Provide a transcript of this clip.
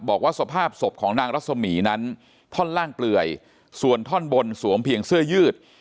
บอกว่าสภาพศพของนางรัศมีนั้นท่อนล่างเปลื่อยส่วนท่อนบนสวมเพียงเสื้อยืด